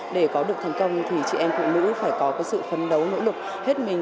để có được thành công thì chị em phụ nữ phải có sự phấn đấu nỗ lực hết mình